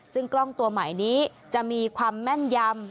ซึ่งกล้องตัวใหม่นี้จะมีความแม่นยำ